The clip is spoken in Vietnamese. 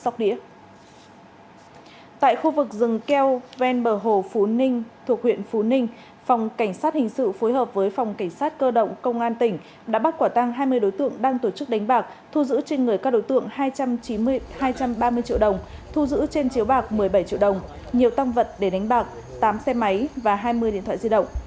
tại khu vực rừng keo ven bờ hồ phú ninh thuộc huyện phú ninh phòng cảnh sát hình sự phối hợp với phòng cảnh sát cơ động công an tỉnh đã bắt quả tăng hai mươi đối tượng đang tổ chức đánh bạc thu giữ trên người các đối tượng hai trăm ba mươi triệu đồng thu giữ trên chiếu bạc một mươi bảy triệu đồng nhiều tăng vật để đánh bạc tám xe máy và hai mươi điện thoại di động